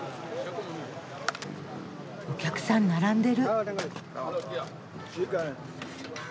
お客さん並んでる。